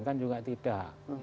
kan juga tidak